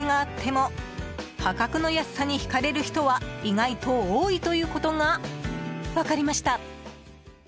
ということで物件にどんな訳があっても破格の安さに引かれる人は意外と多いということが分かりました。